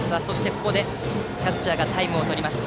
キャッチャーがタイムをとりました。